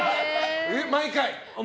毎回。